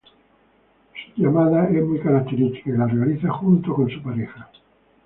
Su llamada es muy característica y la realiza junto con su pareja.